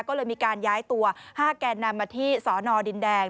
ก็เลยมีการย้ายตัว๕แกนนำมาที่สนดินแดง